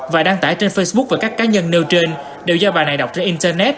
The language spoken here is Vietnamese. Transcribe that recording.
và đăng tải trên facebook và các cá nhân nêu trên đều do bà này đọc trên internet